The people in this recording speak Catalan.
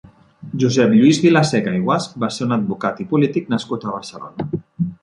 Josep Lluís Vilaseca i Guasch va ser un advocat i polític nascut a Barcelona.